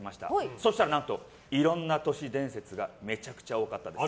そうしたら、いろんな都市伝説がめちゃくちゃ多かったです。